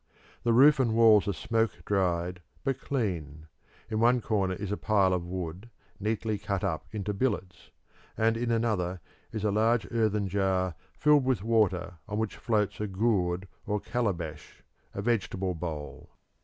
The roof and walls are smoke dried but clean; in one corner is a pile of wood neatly cut up into billets, and in another is a large earthen jar filled with water on which floats a gourd or calabash, a vegetable bowl.